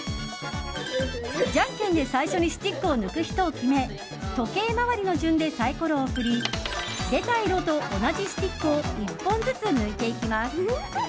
じゃんけんで最初にスティックを抜く人を決め時計回りの順でサイコロを振り出た色と同じスティックを１本ずつ抜いていきます。